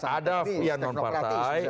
ada yang non partai